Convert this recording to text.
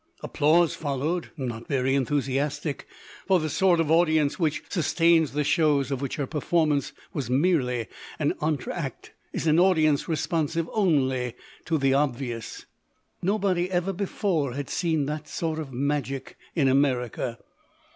Applause followed, not very enthusiastic, for the sort of audience which sustains the shows of which her performance was merely an entr' acte is an audience responsive only to the obvious. Nobody ever before had seen that sort of magic in America.